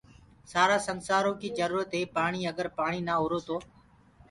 سآرآ سنسآرو ڪي جرورت هي پآڻيٚ اگر پآڻيٚ نآ هرو تو